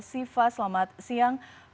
siva selamat siang